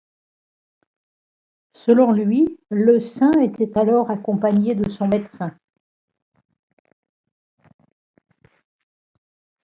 Selon lui, le saint était alors accompagné de son médecin.